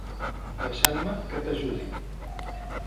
Deixant-me que t'ajudi.